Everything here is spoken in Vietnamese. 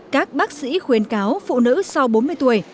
các bác sĩ khuyến cáo phụ nữ sau bốn mươi tuổi